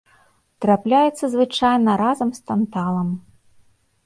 Трапляецца звычайна разам з танталам.